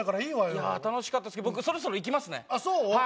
いやっ楽しかったですけど僕そろそろ行きますねあっそう？